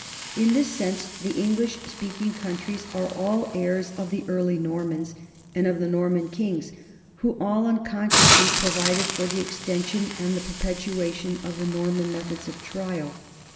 In this sense the English speaking countries are all heirs of the early Normans and of the Norman kings who, all un consciously, provided for the extension and the per petuation of the Norman methods of trial.